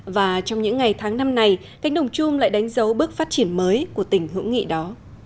và trong những ngày tháng năm này cánh đồng chung lại đánh dấu bước phát triển mới của tỉnh hữu nghị đó